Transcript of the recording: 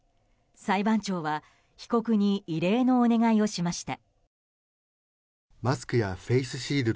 裁判長は被告に異例のお願いをしました。